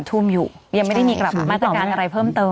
ทุ่มอยู่ยังไม่ได้มีมาตรการอะไรเพิ่มเติม